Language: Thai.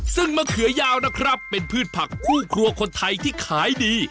ซึ่งมะเขือยาวนะครับเป็นพืชผักคู่ครัวคนไทยที่ขายดี